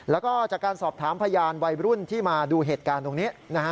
แล้วก็จากการสอบถามพยานวัยรุ่นที่มาดูเหตุการณ์ตรงนี้นะฮะ